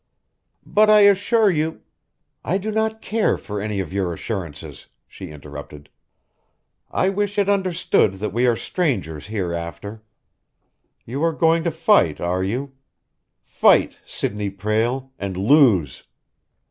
"But I assure you " "I do not care for any of your assurances," she interrupted. "I wish it understood that we are strangers hereafter. You are going to fight, are you? Fight, Sidney Prale and lose!